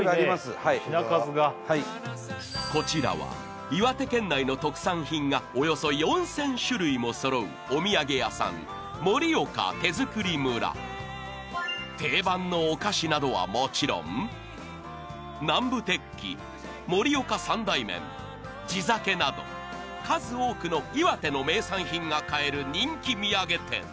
はい品数がはいこちらは岩手県内の特産品がおよそ４０００種類も揃うお土産屋さん定番のお菓子などはもちろん南部鉄器盛岡三大麺地酒など数多くの岩手の名産品が買える人気土産店